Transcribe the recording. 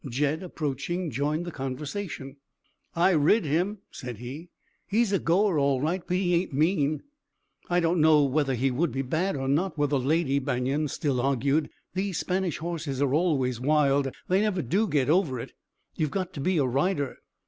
Jed, approaching, joined the conversation. "I rid him," said he. "He's a goer all right, but he ain't mean." "I don't know whether he would be bad or not with a lady," Banion still argued. "These Spanish horses are always wild. They never do get over it. You've got to be a rider."